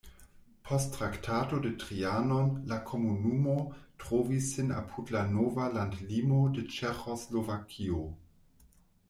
Post Traktato de Trianon la komunumo trovis sin apud la nova landlimo de Ĉeĥoslovakio.